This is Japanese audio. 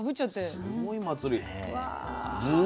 すごい祭り。